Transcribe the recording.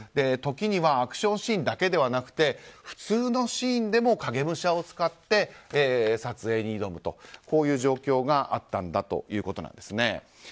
時にはアクションシーンだけでなく普通のシーンでも影武者を使って撮影に挑むという状況があったんだということです。